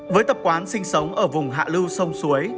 với tập quán sinh sống ở vùng hạ lưu sông suối